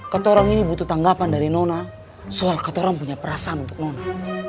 ketua orang ini butuh tanggapan dari nona soal ketua orang punya perasaan untuk nona